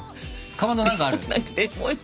かまど何かある？